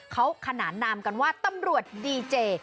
เขาขนานนามกันว่าตำรวจดีเจ